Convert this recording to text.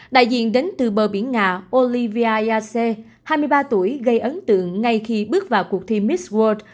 đại diện đến từ bờ biển nga olivia yace hai mươi ba tuổi gây ấn tượng ngay khi bước vào cuộc thi miss world